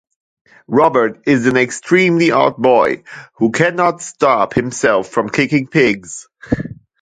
Robert is an extremely odd boy who cannot stop himself from kicking pigs.